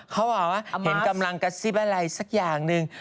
เขาบอกว่าเห็นกำลังกระซิบอะไรสักอย่างหนึ่ง